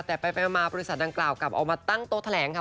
แต่ไปมาบริษัทดังกล่าวกลับออกมาตั้งโต๊ะแถลงค่ะ